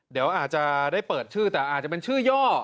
เดี๋ยวอาจจะได้เปิดชื่อแต่อาจจะเป็นชื่อย่อ